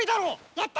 やった！